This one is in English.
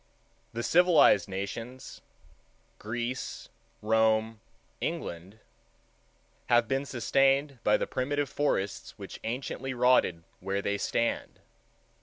The civilized nations—Greece, Rome, England—have been sustained by the primitive forests which anciently rotted where they stand.